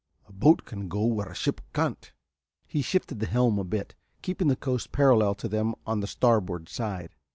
A boat can go where a ship can't." He shifted the helm a bit, keeping the coast parallel to them on the starboard side.